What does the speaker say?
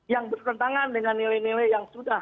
yang bertentangan dengan nilai nilai yang sudah